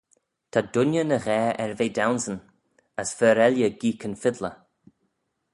Ta dooinney ny ghaa er ve daunsyn as fer elley geeck yn fiddler.